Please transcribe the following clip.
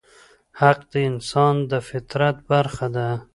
حق د انسان د فطرت برخه ده.